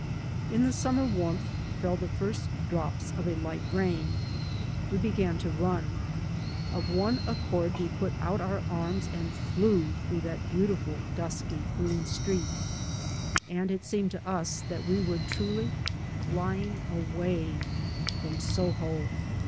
In the summer warmth fell the first drops of a light rain. We began to run. Of one accord we put out our arms and *' flew " 3 by Google MY MOTHER AND 2 through that beautiful dusky green street. And it seemed to us that we were truly flying away — from Soho.